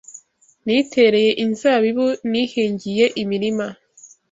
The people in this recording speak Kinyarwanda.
nitereye inzabibu nihingiye imirima,